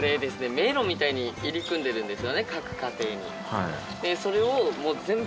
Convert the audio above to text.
迷路みたいに入り組んでるんですよね各家庭に。